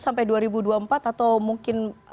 sampai dua ribu dua puluh empat atau mungkin